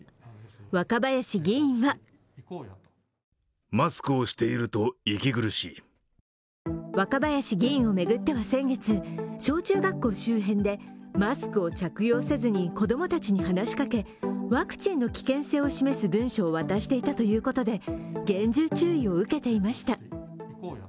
若林議員は若林議員を巡っては先月、小中学校周辺でマスクを着用せずに子供たちに話しかけワクチンの危険性を示す文書を渡していたということで厳重注意を受けていました。